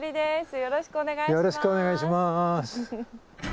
よろしくお願いします。